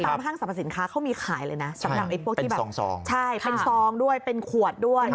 ตามห้างสรรพสินค้าเขามีขายเลยนะเป็นซองด้วยเป็นขวดด้วย